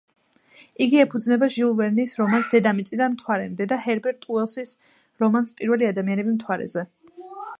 იგი ეფუძნება ჟიულ ვერნის რომანს „დედამიწიდან მთვარემდე“ და ჰერბერტ უელსის რომანს „პირველი ადამიანები მთვარეზე“.